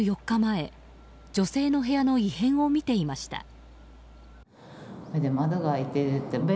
４日前女性の部屋の異変を見ていました。